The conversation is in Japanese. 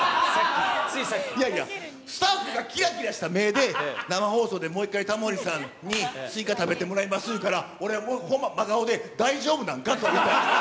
いやいや、スタッフがきらきらした目で、生放送で、もう一回タモリさんにスイカ食べてもらいます言うから、俺ほんま、真顔で大丈夫なんかと聞いたん。